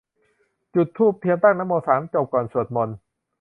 จุดธูปเทียน ตั้งนะโมสามจบ ก่อนสวดมนต์